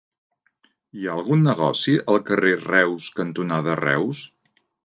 Hi ha algun negoci al carrer Reus cantonada Reus?